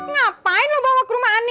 ngapain lo bawa ke rumah anda